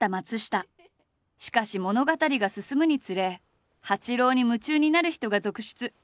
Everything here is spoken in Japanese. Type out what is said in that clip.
しかし物語が進むにつれ八郎に夢中になる人が続出。